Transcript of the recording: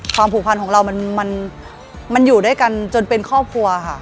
ผูกพันของเรามันอยู่ด้วยกันจนเป็นครอบครัวค่ะ